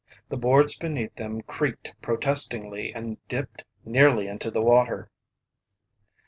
The boards beneath them creaked protestingly and dipped nearly into the water.